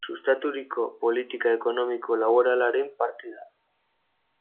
Sustaturiko politika ekonomiko-laboralaren parte da.